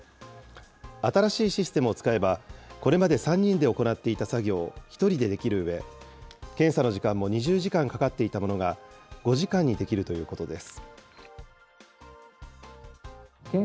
新しいシステムを使えば、これまで３人で行っていた作業を１人でできるうえ、検査の時間も２０時間かかっていたものが、５時間にできるということです。